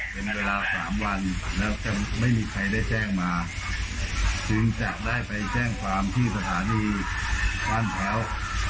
เป็นเวลาสามวันแล้วจะไม่มีใครได้แจ้งมาจึงจะได้ไปแจ้งความที่สถานีบ้านพร้าว